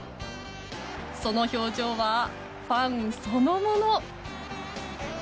その表情はファンそのもの。